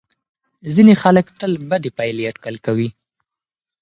ځینې خلک تل بدې پایلې اټکل کوي.